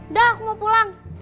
udah aku mau pulang